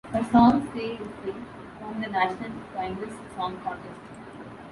Her song, "Se in Se" won the National Finals Song Contest.